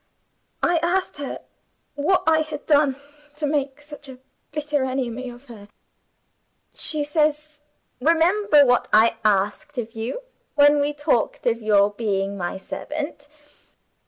I asked her what I had done to make such a bitter enemy of her. She says, 'Remember what I asked of you when we talked of your being my servant.